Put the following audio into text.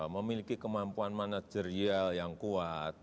memiliki kemampuan manajerial yang kuat